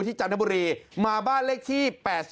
ที่จันทบุรีมาบ้านเลขที่